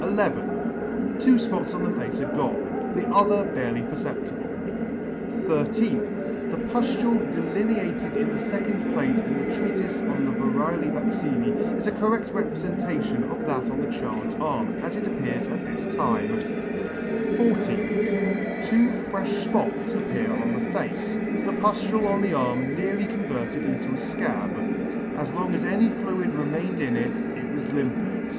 nth. Two fpots on the face are gone ; the other barely per ceptible. 13th. The puftule delineated in the fecond plate in the Treatife on the Varioisc Vaccina?, is a corred reprefentation of that on the child's arm, as it appears at this time. 14th. Two frefh fpots appear on the face. The puftule on the arm nearly converted into a fcab. As long as any fluid re mained in it, it was limpid.